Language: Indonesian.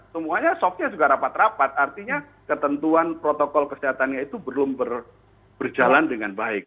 semuanya shocknya juga rapat rapat artinya ketentuan protokol kesehatannya itu belum berjalan dengan baik